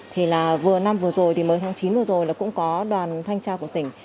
thì là vừa năm vừa rồi thì mới tháng chín vừa rồi là cũng có đoàn thanh tra của tỉnh